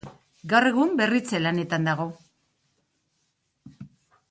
Gaur egun berritze lanetan dago.